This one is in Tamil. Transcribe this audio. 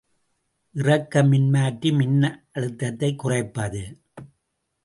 இறக்க மின்மாற்றி மின்னழுத்தத்தைக் குறைப்பது.